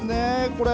これ。